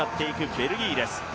ベルギーです。